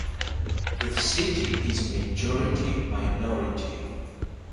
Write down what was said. The city is majority-minority.